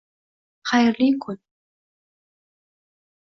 Hayrli kun